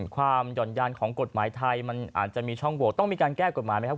หย่อนยานของกฎหมายไทยมันอาจจะมีช่องโหวตต้องมีการแก้กฎหมายไหมครับ